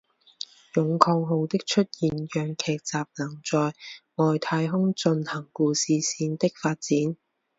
勇抗号的出现让剧集能在外太空进行故事线的发展。